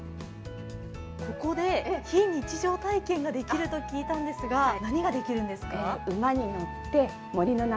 ここで非日常体験ができると聞いたんですが、何ができるんですか？